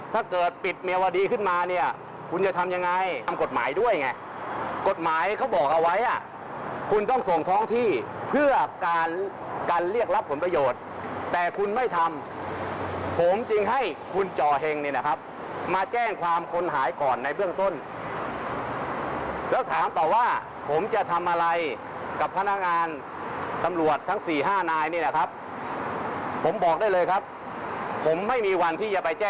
ถ้าเกิดปิดเมียวดีขึ้นมาเนี่ยคุณจะทำยังไงทำกฎหมายด้วยไงกฎหมายเขาบอกเอาไว้อ่ะคุณต้องส่งท้องที่เพื่อการการเรียกรับผลประโยชน์แต่คุณไม่ทำผมจึงให้คุณจ่อเห็งเนี่ยนะครับมาแจ้งความคนหายก่อนในเบื้องต้นแล้วถามต่อว่าผมจะทำอะไรกับพนักงานตำรวจทั้งสี่ห้านายนี่แหละครับผมบอกได้เลยครับผมไม่มีวันที่จะไปแจ้ง